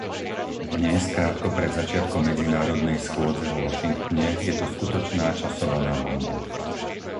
Dnes, krátko pred začiatkom medzinárodnej schôdze vo Washingtone, je to skutočná časovaná bomba.